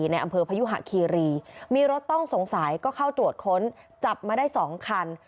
ในอำเภอพยุหะคีรีมีรถต้องสงสัยก็เข้าตรวจค้นจับมาได้๒คัน